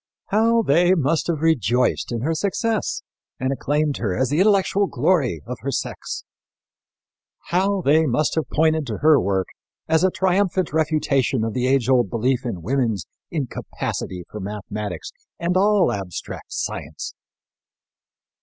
How they must have rejoiced in her success and acclaimed her as the intellectual glory of her sex! How they must have pointed to her work as a triumphant refutation of the age old belief in woman's incapacity for mathematics and all abstract science!